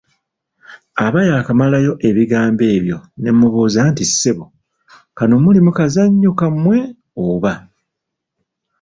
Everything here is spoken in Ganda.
Aba yaakamalayo ebigambo ebyo ne mmubuuza nti ssebo, kano muli mu kazannyo kammwe oba?